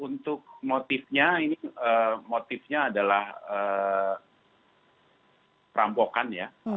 untuk motifnya motifnya adalah perampokan